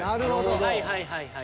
はいはいはいはい。